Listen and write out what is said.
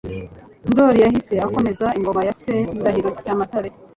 ndoli yahise akomeza ingoma ya Se Ndahiro Cyamatare.